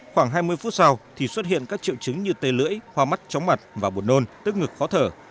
khoảng hai mươi phút sau thì xuất hiện các triệu chứng như tê lưỡi hoa mắt chóng mặt và bột nôn tức ngực khó thở